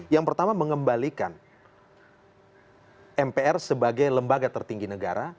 yang pertama mengembalikan mpr sebagai lembaga tertinggi negara